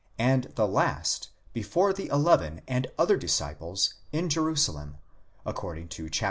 and the last, before the eleven and other disciples in Jerusalem, according to xxiv.